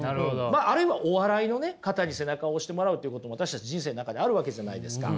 あるいはお笑いの方に背中を押してもらうっていうことも私たち人生の中であるわけじゃないですか。